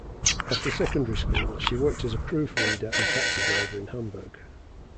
After secondary school, she worked as a proof-reader and taxi driver in Hamburg.